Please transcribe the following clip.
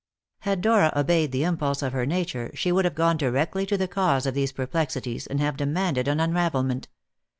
Had Dora obeyed the impulse of her nature, she would have gone directly to the cause of these perplexities and have demanded an unravelment.